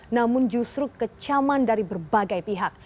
namun justru kecaman dari berbagai pihak